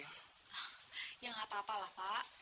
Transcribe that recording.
ya enggak apa apalah pak